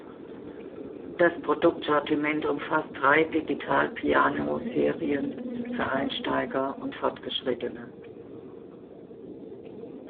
Das Produktsortiment umfasst drei digital Piano-Serien für Einsteiger und Fortgeschrittene.